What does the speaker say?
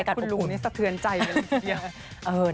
คุณลูกนี่สะเทือนใจเวลาทีเดียว